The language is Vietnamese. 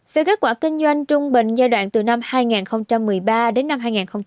về kết quả kinh doanh trung bình giai đoạn từ năm hai nghìn một mươi ba đến năm hai nghìn một mươi tám